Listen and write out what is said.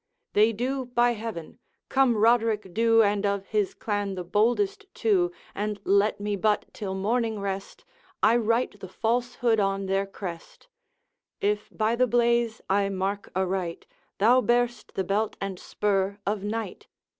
'They do, by heaven! come Roderick Dhu And of his clan the boldest two And let me but till morning rest, I write the falsehood on their crest.' If by the blaze I mark aright Thou bear'st the belt and spur of Knight.'